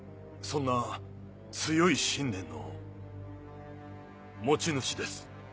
そんな強い信念の持ち主です。